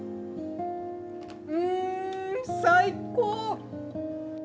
うん最高！